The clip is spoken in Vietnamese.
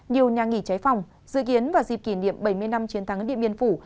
nhiều nhà nghỉ cháy phòng dự kiến vào dịp kỷ niệm bảy mươi năm chiến thắng điện biên phủ